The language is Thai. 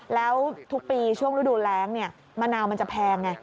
แล้วทุกปีช่วงฤดูแรงมะนาวมันจะแพงไง